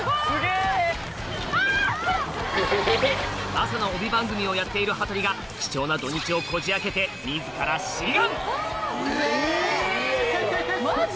朝の帯番組をやっている羽鳥が貴重な土・日をこじ開けて自ら志願えぇ！